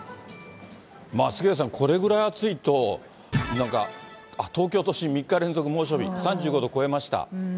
杉上さん、これぐらい暑いと、なんか、東京都心、３日連続猛暑日、３５度超えました。